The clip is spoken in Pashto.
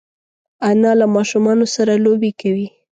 انا له ماشومانو سره لوبې کوي